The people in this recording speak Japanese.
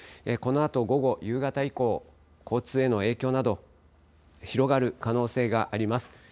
このあと午後、夕方以降、交通への影響など広がる可能性があります。